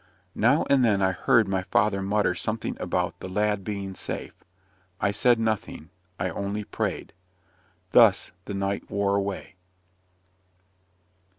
Now and then I heard my father mutter something about "the lad being safe." I said nothing. I only prayed. Thus the night wore away.